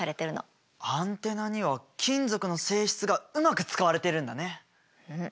アンテナには金属の性質がうまく使われてるんだね。